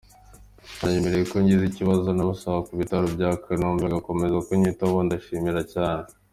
Bananyemereye ko ngize ikibazo nabasanga ku bitaro bya Kanombe bagakomeza kunyitaho, ndabashimira cyane”.